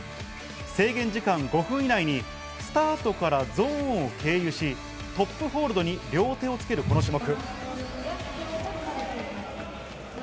制限時間５分以内にスタートからゾーンを経由しトップホールドに両手をつけるこの種目。